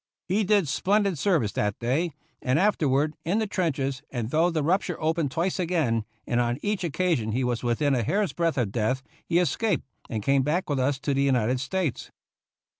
He did splendid service that day, and afterward in the trenches, and though the rupture opened twice again, and on each oc casion he was within a hair's breadth of death, he escaped, and came back with us to the United States.